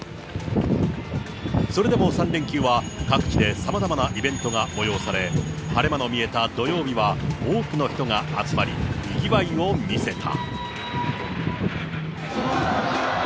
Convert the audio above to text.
それでも３連休は各地でさまざまなイベントが催され、晴れ間の見えた土曜日は多くの人が集まり、にぎわいを見せた。